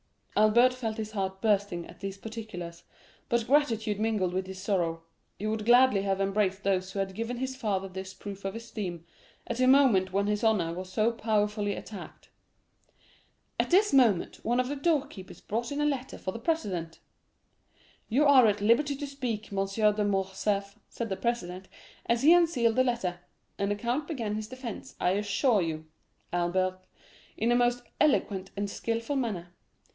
Albert felt his heart bursting at these particulars, but gratitude mingled with his sorrow: he would gladly have embraced those who had given his father this proof of esteem at a moment when his honor was so powerfully attacked. "At this moment one of the door keepers brought in a letter for the president. 'You are at liberty to speak, M. de Morcerf,' said the president, as he unsealed the letter; and the count began his defence, I assure you, Albert, in a most eloquent and skilful manner.